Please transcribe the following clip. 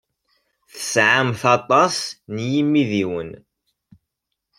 Tesɛamt aṭas n yimidiwen.